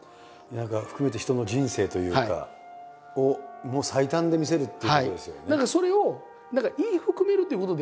何か含めて人の人生というかを最短で見せるっていうことですよね。